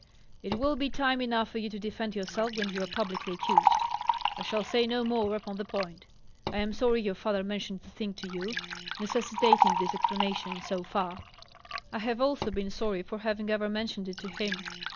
"It will be time enough for you to defend yourself when you are publicly accused. I shall say no more upon the point. I am sorry your father mentioned the thing to you, necessitating this explanation, so far; I have also been sorry for having ever mentioned it to him.